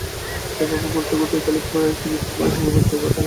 এভাবে ঘুরতে ঘুরতে ইতালির ফ্লোরেন্সে গিয়ে ফুটবলের সঙ্গে পরিচয় ঘটে হ্যামের।